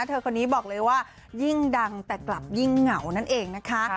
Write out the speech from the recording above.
เธอคนนี้บอกเลยว่ายิ่งดังแต่กลับยิ่งเหงานั่นเองนะคะ